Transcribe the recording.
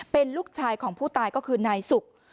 เป็นลูกชายของผู้ตายก็คือนายสุก